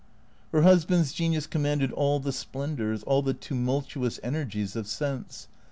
Her husband's genius commanded all the splendours, all the tumultuous energies of sense.